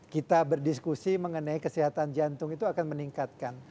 kita berdiskusi mengenai kesehatan jantung itu akan meningkatkan